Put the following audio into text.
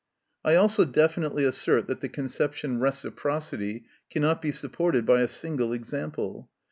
I also definitely assert that the conception reciprocity cannot be supported by a single example.